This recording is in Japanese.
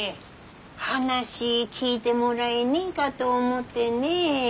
話聞いてもらえねえかと思ってねぇ。